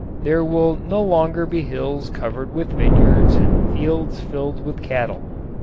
There will no longer be hills covered with vineyards and fields filled with cattle.